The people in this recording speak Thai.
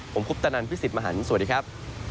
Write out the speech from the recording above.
ผมคุปตะนันพี่สิทธิ์มหันฯสวัสดีครับ